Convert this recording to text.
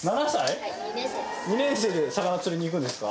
２年生で魚釣りに行くんですか？